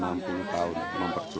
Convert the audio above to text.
memperjuangkan bendera merah putih